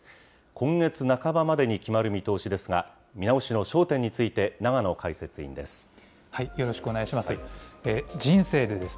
今月半ばまでに決まる見通しですが、見直しの焦点について、よろしくお願いします。